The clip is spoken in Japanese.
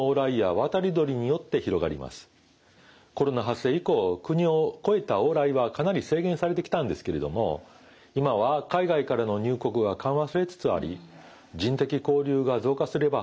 コロナ発生以降国を越えた往来はかなり制限されてきたんですけれども今は海外からの入国が緩和されつつあり人的交流が増加すれば